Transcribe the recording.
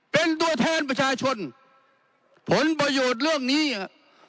เป็นตัวแทนประชาชนผลประโยชน์เรื่องนี้อ่ะ